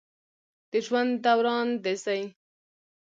د ژوند دوران د زی